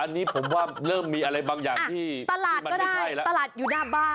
อันนี้ผมว่าเริ่มมีอะไรบางอย่างที่มันไม่ใช่แล้ว